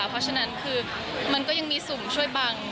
เพราะฉะนั้นคือมันก็ยังมีสุ่มช่วยบัง